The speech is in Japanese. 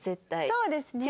そうですね。